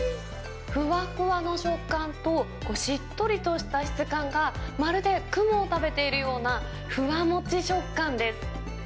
ふわふわの食感と、しっとりとした質感が、まるで雲を食べているかのような、ふわもち食感です。